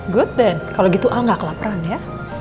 good then kalau gitu al gak kelaparan ya